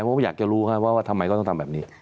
ผมก็อยากจะรู้ว่าทำไมก็ต้องทำแบบนี้